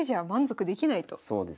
そうです。